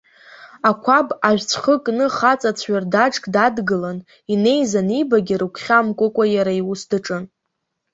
Ақәаб ажьҵәхы кны хаҵа цәҩардаџк дадгылан, инеиз анибагьы рыгәхьаа мкыкәа иара иус даҿын.